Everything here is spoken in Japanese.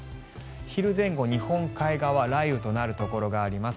昼前後、日本海側雷雨となるところがあります。